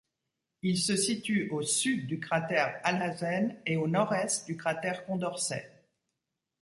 Il se situe au sud du cratère Alhazen et au nord-est du cratère Condorcet.